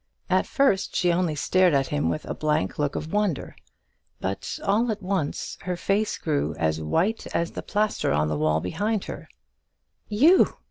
At first she only stared at him with a blank look of wonder, but all at once her face grew as white as the plaster on the wall behind her. "You!"